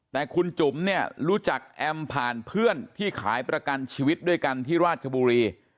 แต่คุณจุ๋มเนี่ยรู้จักแอมผ่านเพื่อนที่ขายประกันชีวิตด้วยกันที่ราชบุรี